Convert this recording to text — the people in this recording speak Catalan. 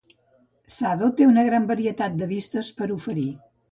Sado té un gran varietat de vistes per oferir,